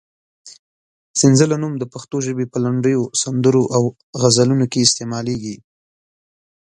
سنځله نوم د پښتو ژبې په لنډیو، سندرو او غزلونو کې استعمالېږي.